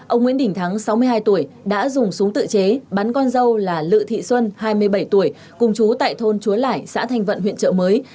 ông nguyễn đình thắng sáu mươi hai tuổi đã dùng súng tự chế bắn con dâu là lự thị xuân hai mươi bảy tuổi cùng chú tại thôn chúa lẻi xã thanh vận huyện trợ mới